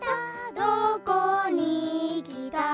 「どこに来た」